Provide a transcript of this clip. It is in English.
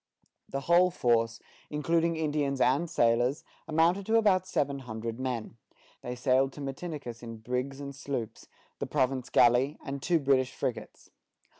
The whole force, including Indians and sailors, amounted to about seven hundred men; they sailed to Matinicus in brigs and sloops, the province galley, and two British frigates.